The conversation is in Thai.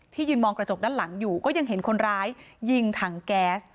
ยืนมองกระจกด้านหลังอยู่ก็ยังเห็นคนร้ายยิงถังแก๊ส